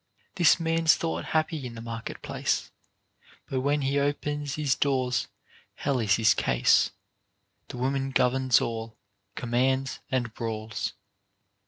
This man's thought happy in the market place, But when he ope's his doors, hell is his case ; The woman governs all, commands and brawls.